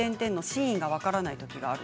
「」のシーンが分からない。